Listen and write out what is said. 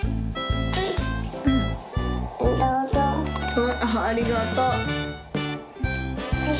うんありがとう。どうぞ。